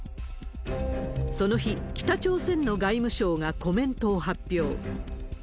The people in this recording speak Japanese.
その日、北朝鮮の外務省がコメントを発表。